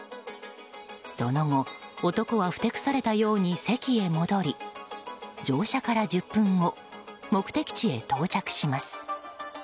その後、男はふてくされたように席に戻り乗車から１０分後目的地へ到着します。